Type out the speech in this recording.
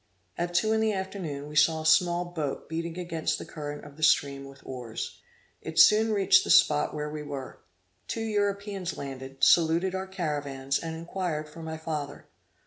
At two in the afternoon, we saw a small boat beating against the current of the stream with oars. It soon reached the spot where we were. Two Europeans landed, saluted our caravans, and inquired for my father.